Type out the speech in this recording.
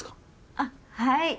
あっはい。